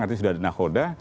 artinya sudah ada nahoda